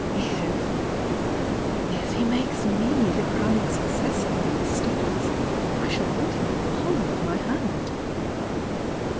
— if he makes me the crowning success of all his studies, I shall hold him in the hollow of my hand!"